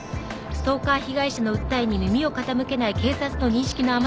ストーカー被害者の訴えに耳を傾けない警察の認識の甘さに対し。